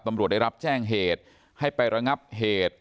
ตำรวจได้รับแจ้งเหตุให้ไประงับเหตุ